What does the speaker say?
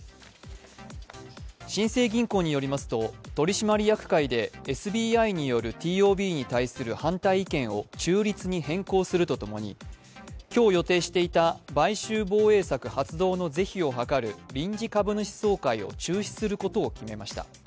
新生銀行によりますと、取締役会でＳＢＩによるＴＯＢに対する反対意見を中立に変更するとともに今日予定していた買収防衛策発動の是非をはかる臨時株主総会を中止することを決めました。